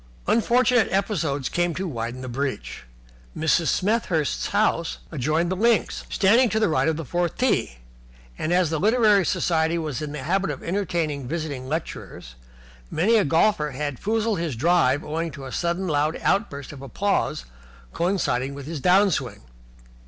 Unfortunate episodes came to widen the breach. Mrs. Smethurst's house adjoined the links, standing to the right of the fourth tee: and, as the Literary Society was in the habit of entertaining visiting lecturers, many a golfer had foozled his drive owing to sudden loud outbursts of applause coinciding with his down swing.